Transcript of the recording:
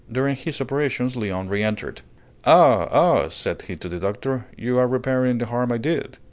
During his operations Léon re entered. "Ah! ah!" said he to the doctor: "you are repairing the harm I did."